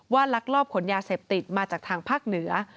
ลักลอบขนยาเสพติดมาจากทางภาคเหนือ